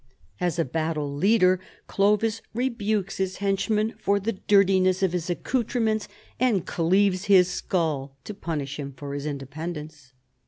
As a battle leader Clovis rebukes his henchman for the dirtiness of his accoutrements, and cleaves his skull to punish him for his independence.